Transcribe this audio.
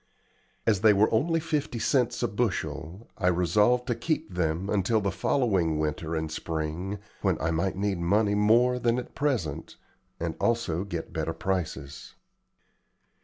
As they were only fifty cents a bushel, I resolved to keep them until the following winter and spring, when I might need money more than at present, and also get better prices.